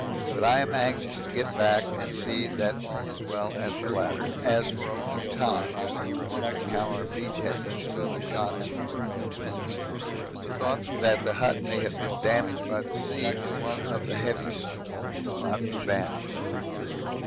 But I am anxious to get back and see that all is well at the latter, as for a long time I have been wondering how our beach has withstood the shocks of northerly winds. The thought that the hut may have been damaged by the sea in one of the heavy storms will not be banished.